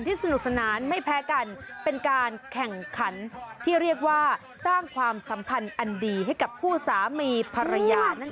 สนุกสนานไม่แพ้กันเป็นการแข่งขันที่เรียกว่าสร้างความสัมพันธ์อันดีให้กับคู่สามีภรรยานั่นเอง